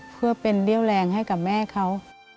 เพื่อเป็นเรี่ยวแรงให้กับแม่เขา